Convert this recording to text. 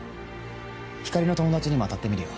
光莉の友達にも当たってみるよ。